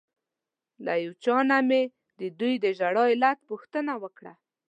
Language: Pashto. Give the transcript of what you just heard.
له یو چا نه مې ددوی د ژړا د علت پوښتنه وکړه.